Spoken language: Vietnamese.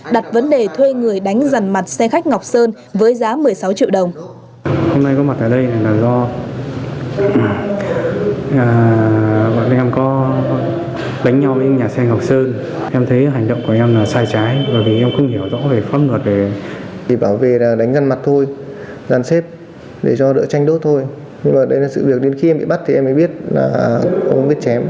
đặt vấn đề thuê người đánh rằn mặt xe khách ngọc sơn với giá một mươi sáu triệu đồng